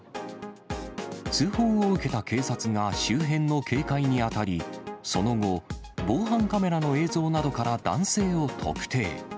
通報を受けた警察が周辺の警戒に当たり、その後、防犯カメラの映像などから男性を特定。